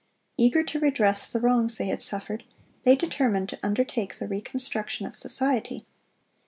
Eager to redress the wrongs they had suffered, they determined to undertake the reconstruction of society.